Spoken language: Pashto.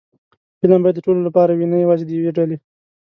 فلم باید د ټولو لپاره وي، نه یوازې د یوې ډلې